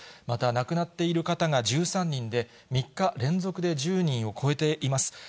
また亡くなっている方が１３人で、３日連続で１０人を超えています。